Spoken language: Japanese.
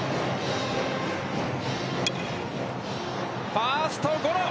ファーストゴロ。